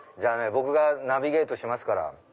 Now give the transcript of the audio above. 僕がナビゲートしますから。